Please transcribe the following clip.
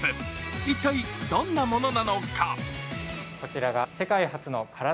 一体、どんなものなのか。